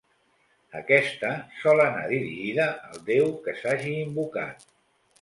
Aquesta sol anar dirigida al deu que s'hagi invocat.